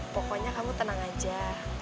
pokoknya kamu tenang aja